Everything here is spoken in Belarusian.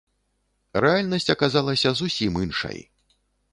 Рэальнасць аказалася зусім іншай.